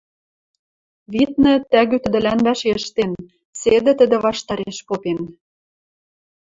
Виднӹ, тӓгӱ тӹдӹлӓн вӓшештен, седӹ тӹдӹ ваштареш попен: